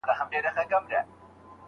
دېوالونه په پردو کې را ايسار دي